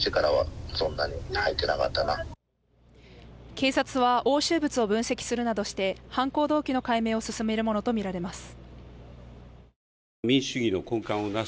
警察は押収物を分析するなどして犯行動機の解明を進めるものとみられます。